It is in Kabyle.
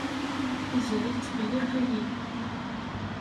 Tiziri tettqelliq-iyi.